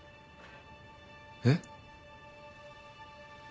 えっ？